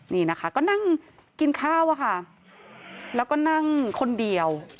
นี่นะคะก็นั่งกินข้าวอะค่ะแล้วก็นั่งคนเดียว